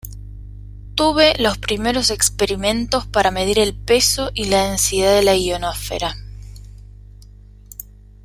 Tuve, los primeros experimentos para medir el peso y la densidad de la ionosfera.